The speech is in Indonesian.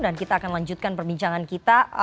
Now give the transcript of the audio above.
dan kita akan lanjutkan perbincangan kita